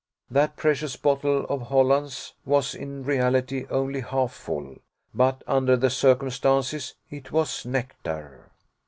That precious bottle of Hollands was in reality only half full; but, under the circumstances, it was nectar.